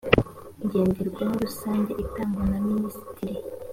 ngenderwaho rusange itangwa na minisitiri